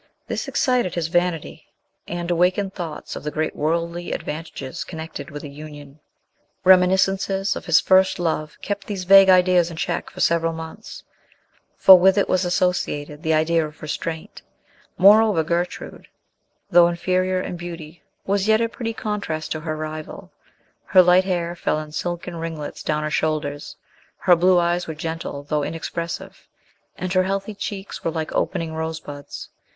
This excited his vanity, and awakened thoughts of the great worldly advantages connected with a union. Reminiscences of his first love kept these vague ideas in check for several months; for with it was associated the idea of restraint. Moreover, Gertrude, though inferior in beauty, was yet a pretty contrast to her rival. Her light hair fell in silken ringlets down her shoulders, her blue eyes were gentle though inexpressive, and her healthy cheeks were like opening rosebuds.